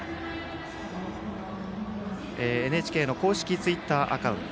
ＮＨＫの公式ツイッターアカウント